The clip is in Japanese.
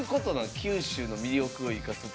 九州の魅力をいかすって。